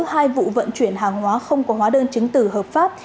hai vụ vận chuyển hàng hóa không có hóa đơn chứng từ hợp pháp